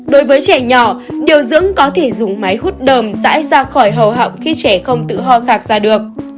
đối với trẻ nhỏ điều dưỡng có thể dùng máy hút đờm dãi ra khỏi hầu họng khi trẻ không tự ho khạc ra được